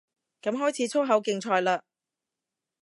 噉開始粗口競賽嘞